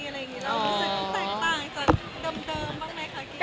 แล้วรู้สึกต่างจากเดิมบ้างไหมคะ